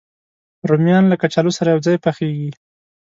رومیان له کچالو سره یو ځای پخېږي